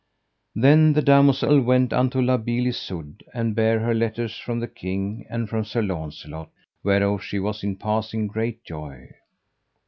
Then the damosel went unto La Beale Isoud, and bare her letters from the king and from Sir Launcelot, whereof she was in passing great joy.